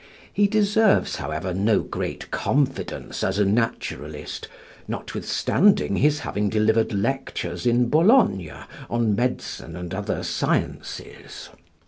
He deserves, however, no great confidence as a naturalist, notwithstanding his having delivered lectures in Bologna on medicine and other sciences.